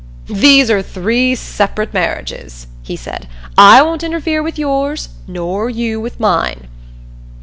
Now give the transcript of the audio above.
"There are three separate marriages," he said. "I won't interfere with yours nor you with mine."